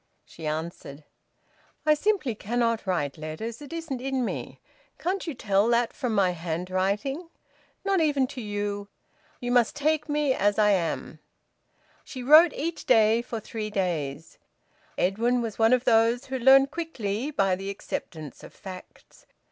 She answered: "I simply cannot write letters. It isn't in me. Can't you tell that from my handwriting? Not even to you! You must take me as I am." She wrote each day for three days. Edwin was one of those who learn quickly, by the acceptance of facts.